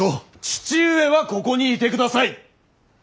父上はここにいてください！